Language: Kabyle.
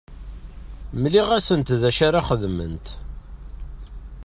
Mliɣ-asent d acu ara xedment.